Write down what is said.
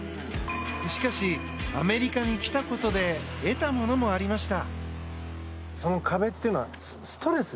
しかし、アメリカに来たことで得たものもありました。